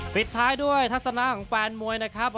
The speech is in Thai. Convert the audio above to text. ปิดท้ายด้วยทัศนาของแฟนมวยนะครับ